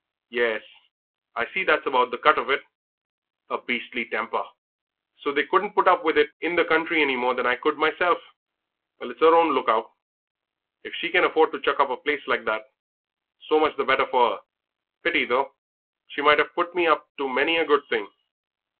Yes, I see that's about the cut of it. Her beastly temper! So they couldn't put up with it in the country any more than I could mesel'. Well, it's 'er own look out! If she can afford to chuck up a place like that, so much the better for 'er. Pity, though; she might 'ave put me up to many a good thing."